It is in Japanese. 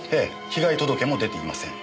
被害届も出ていません。